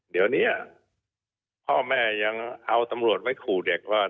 เดี๋ยวนี้พ่อแม่ยังเอาตำรวจไว้ขู่เด็กว่า